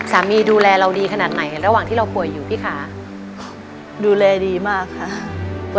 ดูแลเราดีขนาดไหนระหว่างที่เราป่วยอยู่พี่คะดูแลดีมากค่ะ